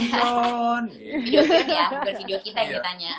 video kion ya buat video kita yang ditanya